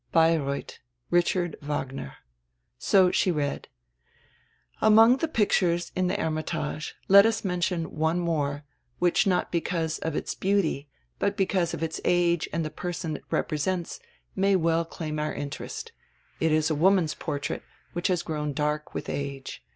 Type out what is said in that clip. Beireuth, Richard Wagner. So she read: "Among the pictures in the 'Her mitage' let us mention one more, which not because of its beauty, but because of its age and the person it represents, may well claim our interest. It is a woman's portrait, which has grown dark with age.